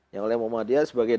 yang oleh muhammadiyah sebagai